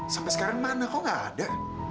sampai sekarang mana kok gak ada